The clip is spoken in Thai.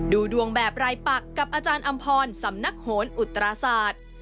ดูดวงแบบรายปักกับอาจารย์อำพรสำนักโหนอุตราศาสตร์